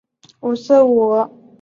辩方以为理据为卓良豪辩护。